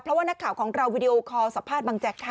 เพราะว่านักข่าวของเราวีดีโอคอลสัมภาษณ์บังแจ๊กค่ะ